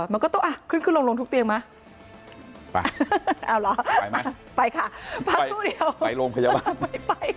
มันก็ต้องขึ้นลงทุกเตียงมาไปลงไปไป